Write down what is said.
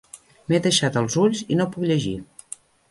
M'he deixat els ulls i no puc llegir.